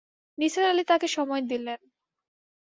নিসার আদি তাকে সময় দিলেন।